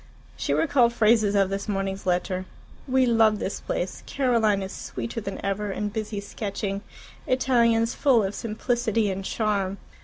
She recalled phrases of this morning's letter: "We love this place Caroline is sweeter than ever, and busy sketching Italians full of simplicity and charm."